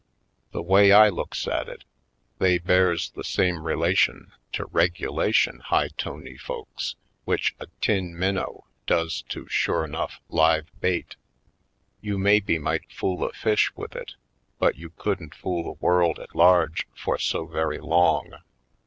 The way I looks at it, they bears the same relation to regulation high toney folks which a tin min now does to sure enough live bait. You maybe might fool a fish with it but you couldn't fool the world at large for so very long.